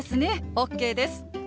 ＯＫです。